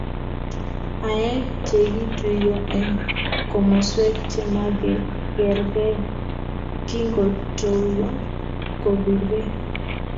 aeng chegituiyo eng komoswek chemagergei kingotuiyo kobirgei